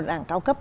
đảng cao cấp